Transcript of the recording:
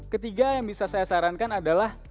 ketiga yang bisa saya sarankan adalah